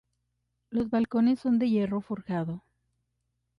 Los balcones son de hierro forjado.